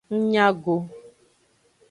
Ng nya go.